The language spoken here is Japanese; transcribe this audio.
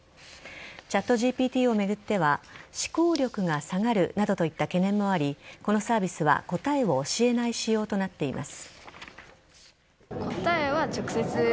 ＣｈａｔＧＰＴを巡っては思考力が下がるなどといった懸念もありこのサービスは答えを教えない仕様となっています。